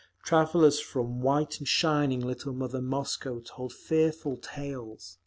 Travellers from "white and shining little mother Moscow" told fearful tales.